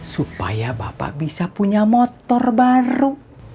supaya bapak bisa punya motor baru